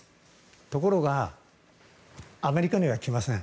ところがアメリカには来ません。